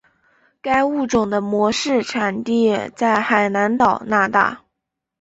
该物种的模式产地在海南岛那大。